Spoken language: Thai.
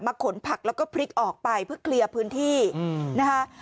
ขนผักแล้วก็พริกออกไปเพื่อเคลียร์พื้นที่นะคะ